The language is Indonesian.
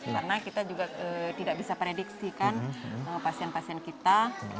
karena kita juga tidak bisa prediksikan pasien pasien kita